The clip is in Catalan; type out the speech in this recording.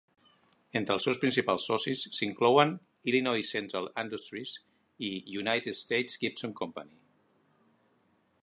Entre els seus principals socis s'inclouen Illinois Central Industries i United States Gypsum Company.